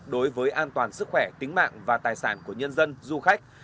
đối với an toàn sức khỏe tính mạng và tài sản của nhân dân du khách